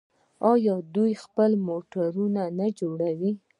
آیا دوی خپل موټرونه نه جوړوي؟